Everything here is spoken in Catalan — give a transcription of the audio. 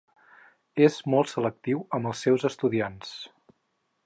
És molt selectiu amb els seus estudiants.